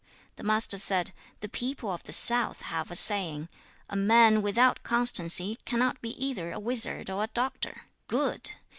The Master said, 'The people of the south have a saying "A man without constancy cannot be either a wizard or a doctor." Good!